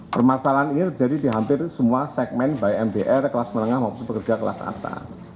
permasalahan ini terjadi di hampir semua segmen baik mbr kelas menengah maupun pekerja kelas atas